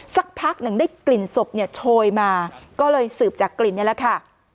สักพักหนึ่งได้กลิ่นศพเนี่ยโชยมาก็เลยสืบจากกลิ่นนี่แหละค่ะ